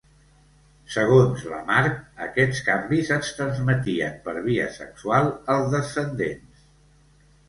Segons Lamarck aquests canvis es transmetien per via sexual als descendents.